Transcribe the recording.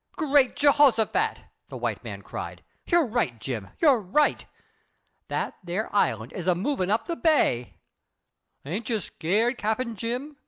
"Great Jehoshaphat!" the white man cried. "You're right, John, you're right. That there island is a movin' up the bay." "Ain't yer skeered, Cap. Jim?"